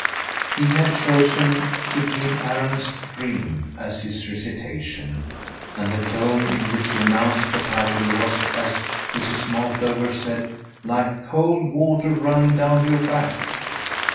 He had chosen "Eugene Aram's Dream" as his recitation, and the tone in which he announced the title was, as Mrs. Multover said, "like cold water running down your back."